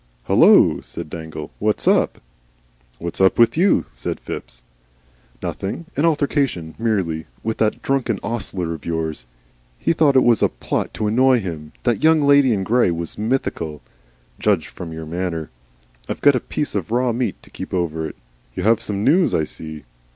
"Hullo!" said dangle. "What's up?" "What's up with YOU?" said Phipps. "Nothing an altercation merely with that drunken ostler of yours. He thought it was a plot to annoy him that the Young Lady in Grey was mythical. Judged from your manner. I've got a piece of raw meat to keep over it. You have some news, I see?"